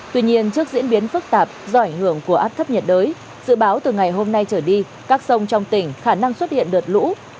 tuy nhiên trước diễn biến phức tạp do ảnh hưởng của áp thấp nhiệt đới dự báo từ ngày hôm nay trở đi các sông trong tỉnh khả năng xuất hiện đợt lũ